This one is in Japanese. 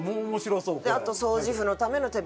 あと『掃除婦のための手引き書』。